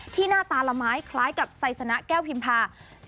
หน้าตาละไม้คล้ายกับไซสนะแก้วพิมพา